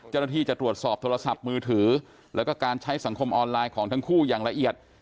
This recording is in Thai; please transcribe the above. จะตรวจสอบโทรศัพท์มือถือแล้วก็การใช้สังคมออนไลน์ของทั้งคู่อย่างละเอียด